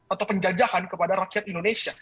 atau penjajahan kepada rakyat indonesia